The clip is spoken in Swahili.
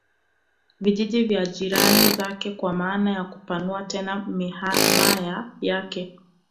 vijiji vya jirani zake kwa maana ya kupanua tena himaya yake